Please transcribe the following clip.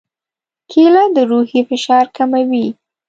کېله د روحي فشار کموي.